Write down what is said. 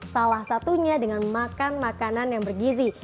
salah satunya dengan makan makanan yang bergizi